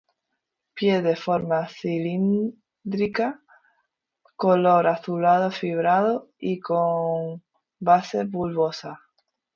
Pie de forma cilíndrica, color azulado fibrado y con base bulbosa.